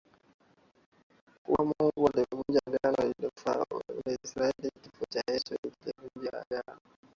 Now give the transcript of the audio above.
kuwa Mungu amelivunja Agano alilofanya na Wana wa Israel Kifo cha Yesu kilivunja agano